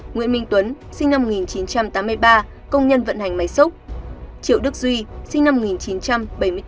nguyễn minh tuấn sinh năm một nghìn chín trăm tám mươi ba công nhân vận hành máy xúc triệu đức duy sinh năm một nghìn chín trăm bảy mươi bốn